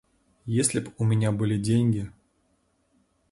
Если б у меня были деньги...